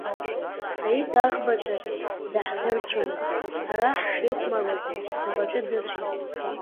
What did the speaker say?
Саид аӷбаҿы даҳзырцәомызт, ара ҳшеихәмаруаз снапаҿы дыцәеит.